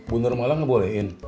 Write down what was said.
bunur malah gak bolehin